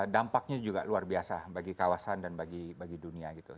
dampaknya juga luar biasa bagi kawasan dan bagi dunia gitu